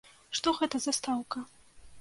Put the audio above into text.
Што гэта за стаўка?